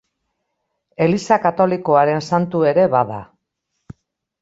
Eliza Katolikoaren santu ere bada.